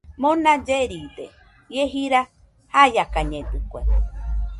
Mona lleride ie jira jaiakañedɨkue